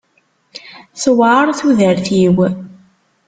Tewɛeṛ tudert-iw.